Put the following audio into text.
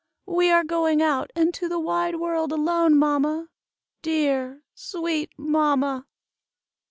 We are going out into the wide world alone, mamma! dear, sweet mamma!"